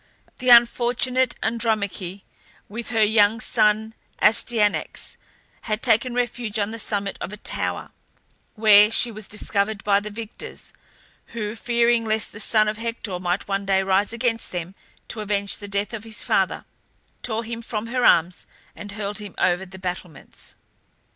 The unfortunate Andromache with her young son Astyanax had taken refuge on the summit of a tower, where she was discovered by the victors, who, fearing lest the son of Hector might one day rise against them to avenge the death of his father, tore him from her arms and hurled him over the battlements.